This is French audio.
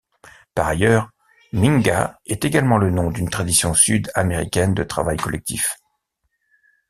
Par ailleurs, Minga est également le nom d'une tradition sud-américaine de travail collectif.